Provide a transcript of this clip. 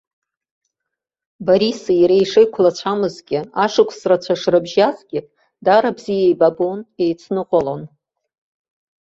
Бориси иареи шеиқәлацәамызгьы, ашықәс рацәа шрыбжьазгьы, даара бзиа еибабон, еицныҟәалон.